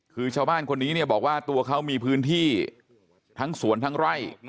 คือชาวบ้านคนนี้เนี่ยบอกว่าตัวเขามีพื้นที่ทั้งสวนทั้งไร่